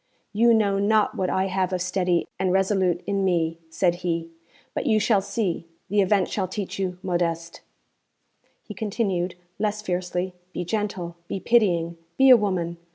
'You know not what I have of steady and resolute in me,' said he, 'but you shall see; the event shall teach you. Modeste,' he continued, less fiercely, 'be gentle, be pitying, be a woman.